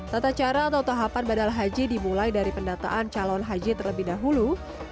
tata cara atau tahapan badal haji dimulai dari pendataan calon haji terlebih dahulu